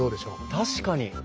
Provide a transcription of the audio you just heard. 確かに！